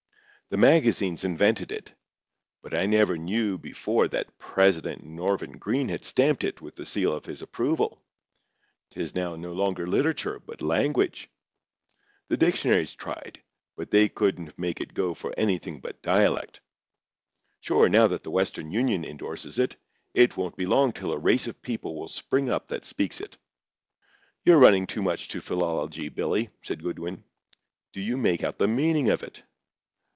The magazines invented it, but I never knew before that President Norvin Green had stamped it with the seal of his approval. 'Tis now no longer literature, but language. The dictionaries tried, but they couldn't make it go for anything but dialect. Sure, now that the Western Union indorses it, it won't be long till a race of people will spring up that speaks it." "You're running too much to philology, Billy," said Goodwin. "Do you make out the meaning of it?"